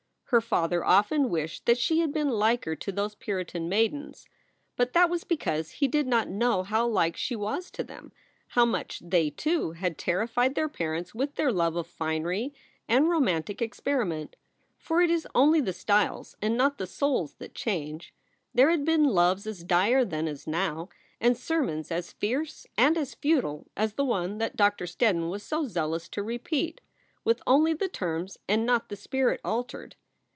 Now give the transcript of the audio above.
Her father often wished that she had been liker to those Puritan maidens. But that was because he did not know how like she was to them, how much they, too, had terrified their parents with their love of finery and romantic experiment. For it is only the styles, and not the souls, that change. There had been loves as dire then as now, and sermons as fierce and as futile as the one that Doctor Steddon was so zealous to repeat, with only the terms and not the spirit altered.